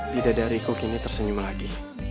bidah dariku kini tersenyum lagi